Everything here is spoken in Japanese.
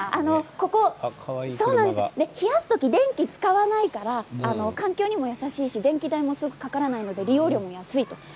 こちらは冷やす時電気を使わないので環境にも優しくて電気代もかからないので利用料も安い。